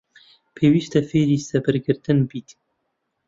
پێویستە فێری سەبرگرتن بیت.